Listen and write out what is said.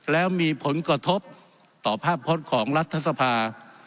แล้วมีผลกระทบต่อภาพพจน์ของรัฐสภา